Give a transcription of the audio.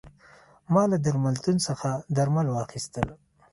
ما له درملتون څخه درمل واخیستل.